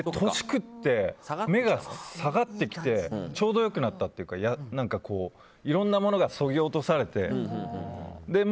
食って目が下がってきてちょうどよくなったというかいろんなものがそぎ落とされて。